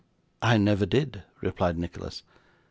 'I never did,' replied Nicholas.